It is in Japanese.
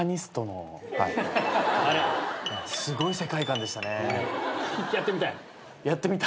すごい世界観でしたね。